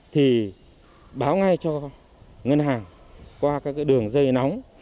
thì báo ngay cho ngân hàng qua các đường dây nóng